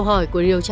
đọc điện ra